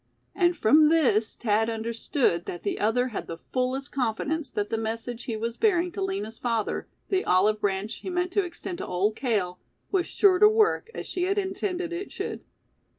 And from this Thad understood that the other had the fullest confidence that the message he was bearing to Lina's father, the olive branch he meant to extend to Old Cale, was sure to work as she had intended it should.